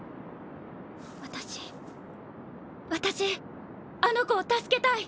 私私あの子を助けたい。